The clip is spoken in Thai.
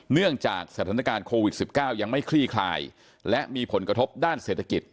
เนื่องจากสถานการณ์โควิด๑๙ยังไม่คลี่คลายและมีผลกระทบด้านเศรษฐกิจ